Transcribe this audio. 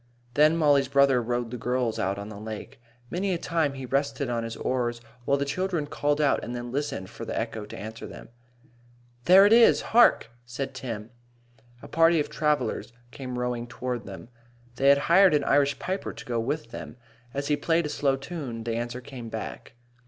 Then Mollie's brother rowed the girls out on the lake. Many a time he rested on his oars while the children called out and then listened for the echo to answer them. "There it is, hark!" said Tim. A party of travellers came rowing toward them. They had hired an Irish piper to go with them. As he played a slow tune, the answer came back.